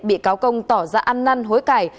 bị cáo công tỏ ra ăn năn hối cải